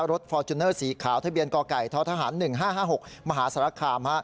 ฟอร์จูเนอร์สีขาวทะเบียนกไก่ท้อทหาร๑๕๕๖มหาสารคาม